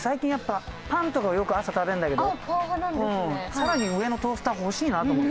さらに上のトースター欲しいなと思って。